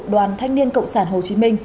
đoàn thanh niên cộng sản hồ chí minh